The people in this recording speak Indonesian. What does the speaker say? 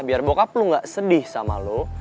biar bokap lu gak sedih sama lo